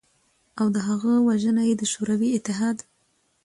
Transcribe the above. او د هغه وژنه ېې د شوروی اتحاد